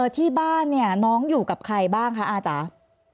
ที่บ้านเนี่ยน้องอยู่กับใครบ้างคะอาจารย์